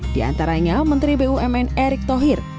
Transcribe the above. di antaranya menteri bumn erick thohir